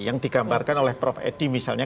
yang digambarkan oleh prof edi misalnya